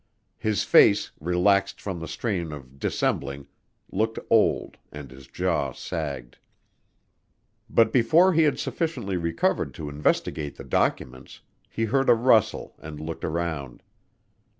His face, relaxed from the strain of dissembling, looked old and his jaw sagged. But before he had sufficiently recovered to investigate the documents he heard a rustle and looked around.